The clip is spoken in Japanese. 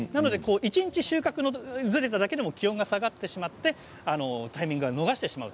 一日に収穫がずれただけでも気温が下がってしまってタイミングを逃してしまう。